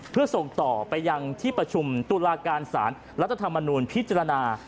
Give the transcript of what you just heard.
เพื่อส่งต่อไปยังที่ประชุมตุลาการสารรัฐธรรมนูลพิจารณา